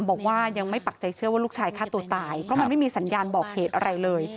บอกว่ายังไม่ปักใจเชื่อว่าลูกชายฆ่าตัวตายเพราะมันไม่มีสัญญาณบอกเหตุอะไรเลย